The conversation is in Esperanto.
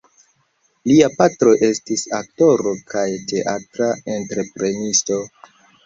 Lia patro estis aktoro kaj teatra entreprenisto.